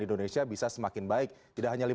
indonesia bisa semakin baik tidak hanya